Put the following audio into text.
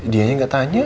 dia aja nggak tanya